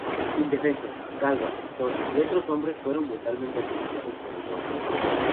Indefensos, Galba, Pisón y otros hombres fueron brutalmente asesinados por la Guardia.